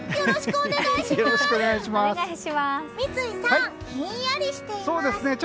よろしくお願いします！